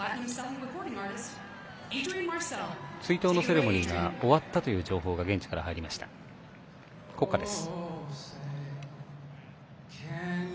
追悼のセレモニーが終わったという情報が現地から入りました国歌です。